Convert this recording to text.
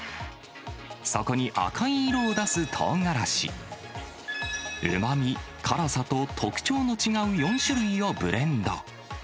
そこに赤い色を出すトウガラシ、うまみ、辛さと特徴の違う４種類をブレンド。